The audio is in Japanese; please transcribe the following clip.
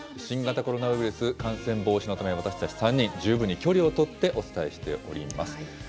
新型コロナウイルス感染防止のため、私たち３人、十分に距離を取ってお伝えしております。